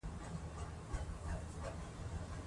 جمهوریت د شګو هسکی ډېرۍ ته ویل کیږي.